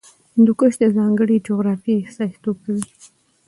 هندوکش د ځانګړې جغرافیې استازیتوب کوي.